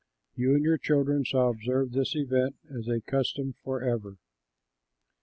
You and your children shall observe this event as a custom forever.